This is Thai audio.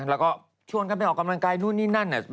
แล้วก็ชวนกันไปออกกำลังกายนู่นนี่นั่น